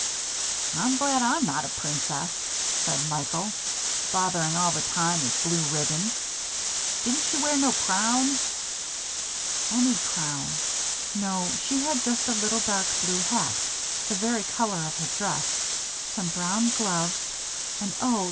"I'm glad I'm not a princess," said Michael. "Botherin' all the time with blue ribbons. Didn't she wear no crown?" "Any crown. No, she had just a little dark blue hat the very color of her dress, some brown gloves and oh!